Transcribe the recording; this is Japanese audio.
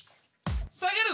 下げる！